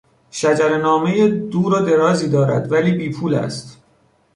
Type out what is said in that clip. شجرهنامهی دور و درازی دارد ولی بی پول است.